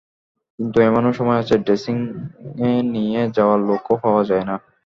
কিন্তু এমনও সময় আছে, ড্রেসিংয়ে নিয়ে যাওয়ার লোকও পাওয়া যায় না।